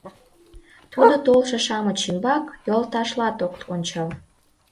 Тудо толшо-шамыч ӱмбак йолташлат ок ончал.